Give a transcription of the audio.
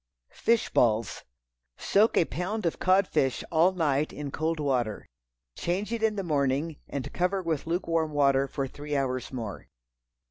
Fish Balls. Soak a pound of cod fish all night in cold water. Change it in the morning, and cover with lukewarm water for three hours more.